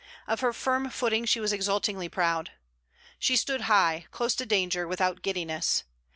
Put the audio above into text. Of her firm footing she was exultingly proud. She stood high, close to danger, without giddiness.